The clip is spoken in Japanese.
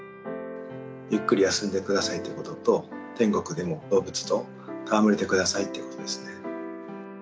ゆっくり休んでくださいということと、天国でも動物と戯れてくださいっていうことですね。